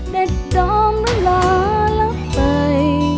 เด็ดดอมละละแล้วไป